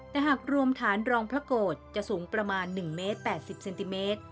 แต่หากรวมฐานรองพระโกรธจะสูงประมาณ๑เมตร๘๐เซนติเมตร